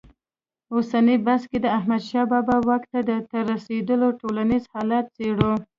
اوسني بحث کې د احمدشاه بابا واک ته تر رسېدو ټولنیز حالت څېړو.